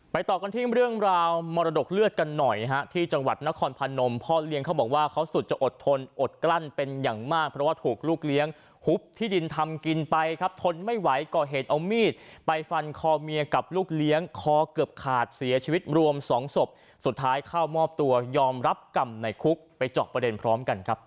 ต่อกันที่เรื่องราวมรดกเลือดกันหน่อยฮะที่จังหวัดนครพนมพ่อเลี้ยงเขาบอกว่าเขาสุดจะอดทนอดกลั้นเป็นอย่างมากเพราะว่าถูกลูกเลี้ยงหุบที่ดินทำกินไปครับทนไม่ไหวก่อเหตุเอามีดไปฟันคอเมียกับลูกเลี้ยงคอเกือบขาดเสียชีวิตรวมสองศพสุดท้ายเข้ามอบตัวยอมรับกรรมในคุกไปเจาะประเด็นพร้อมกันครับ